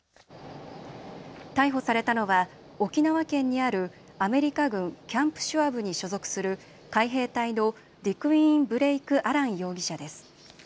逮捕されたのは沖縄県にあるアメリカ軍キャンプシュワブに所属する海兵隊のディクイーン・ブレイク・アラン容疑者です。